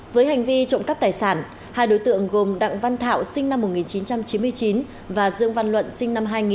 với hành vi trộm cắp tài sản hai đối tượng gồm đặng văn thảo sinh năm một nghìn chín trăm chín mươi chín và dương văn luận sinh năm hai nghìn